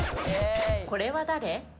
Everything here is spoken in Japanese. これは誰？